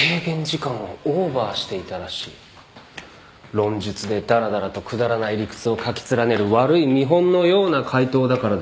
論述でダラダラとくだらない理屈を書き連ねる悪い見本のような解答だからです。